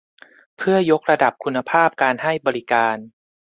เพื่อยกระดับคุณภาพการให้บริการ